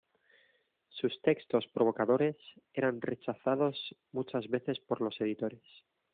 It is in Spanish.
Sus textos provocadores eran rechazados muchas veces por los editores.